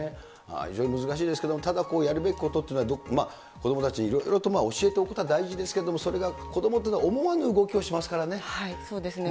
非常に難しいですけど、ただこう、やるべきことというのは、子どもたちにいろいろと教えておくことは大事ですけれども、それが子どもというのは思わぬ動きをしますそうですね。